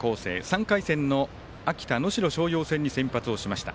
３回戦の秋田・能代松陽戦に先発をしました。